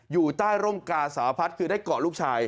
อยู่ใต้ร่มกาสาวพัฒน์คือได้เกาะลูกชาย